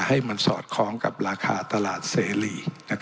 ให้มันสอดคล้องกับราคาตลาดเสรี